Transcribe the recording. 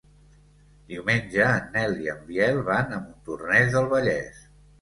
Diumenge en Nel i en Biel van a Montornès del Vallès.